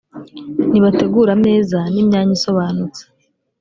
nibategure ameza n’imyanya isobanutse